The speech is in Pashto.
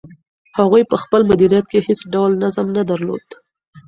هغوی په خپل مدیریت کې هیڅ ډول نظم نه درلود.